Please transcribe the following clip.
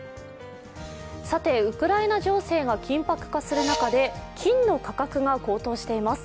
ウクライナ情勢が緊迫する中で金の価格が高騰しています。